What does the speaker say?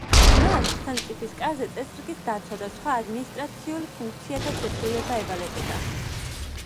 მას ხელმწიფის კარზე წესრიგის დაცვა და სხვა ადმინისტრაციულ ფუნქციათა შესრულება ევალებოდა.